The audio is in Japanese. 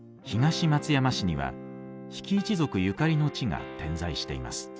東松山市には比企一族ゆかりの地が点在しています。